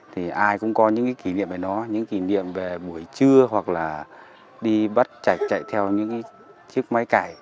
thì ai cũng có những kỷ niệm về nó những kỷ niệm về buổi trưa hoặc là đi bất chạch chạy theo những chiếc máy cày